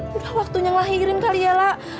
tidak waktu lahirin kali ya lak